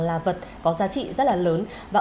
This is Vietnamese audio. là vật có giá trị rất là lớn và